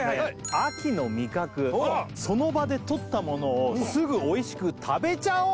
秋の味覚その場でとったものをすぐおいしく食べちゃおう